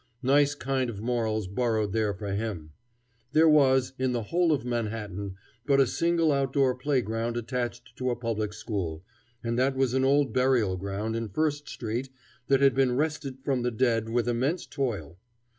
Nice kind of morals burrowed there for him! There was, in the whole of Manhattan, but a single outdoor playground attached to a public school, and that was an old burial ground in First Street that had been wrested from the dead with immense toil.